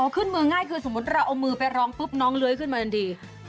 ขึ้นมือง่ายคือสมมุติเราเอามือไปร้องปุ๊บน้องเลื้อยขึ้นมาทันที